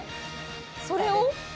それを？